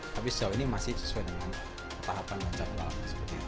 tapi sebelum ini seperti arrived